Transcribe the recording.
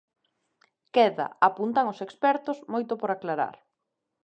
Queda, apuntan os expertos, moito por aclarar.